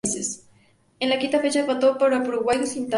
En la quinta fecha empató con Paraguay sin tantos.